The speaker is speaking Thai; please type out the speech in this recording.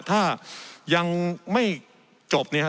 ถ้ายังไม่จบเนี่ยครับ